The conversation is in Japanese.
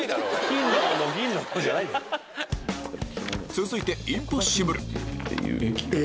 続いてインポッシブル